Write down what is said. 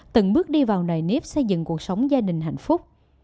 từng bước đi vào nề nếp xây dựng cuộc sống gia đình hạnh phúc